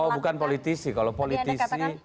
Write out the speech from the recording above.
oh bukan politisi kalau politisi